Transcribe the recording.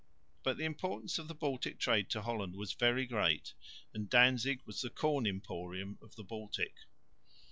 But the importance of the Baltic trade to Holland was very great and Danzig was the corn emporium of the Baltic.